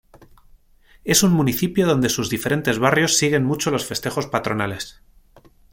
Es un municipio donde sus diferentes barrios siguen mucho los festejos patronales.